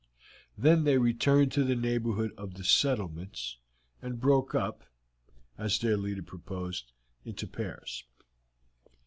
Then they returned to the neighborhood of the settlements, and broke up, as their leader proposed, into pairs.